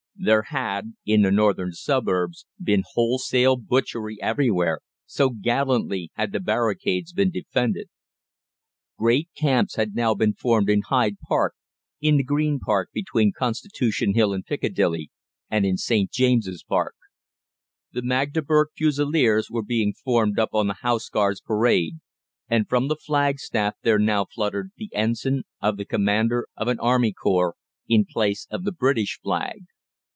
There had, in the northern suburbs, been wholesale butchery everywhere, so gallantly had the barricades been defended. Great camps had now been formed in Hyde Park, in the Green Park between Constitution Hill and Piccadilly, and in St. James's Park. The Magdeburg Fusiliers were being formed up on the Horse Guards Parade, and from the flagstaff there now fluttered the ensign of the commander of an army corps, in place of the British flag.